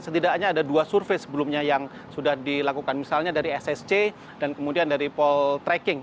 setidaknya ada dua survei sebelumnya yang sudah dilakukan misalnya dari ssc dan kemudian dari pol tracking